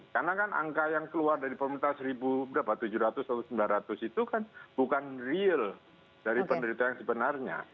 karena kan angka yang keluar dari pemerintah satu tujuh ratus atau satu sembilan ratus itu kan bukan real dari penderitaan sebenarnya